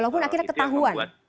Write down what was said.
walaupun akhirnya ketahuan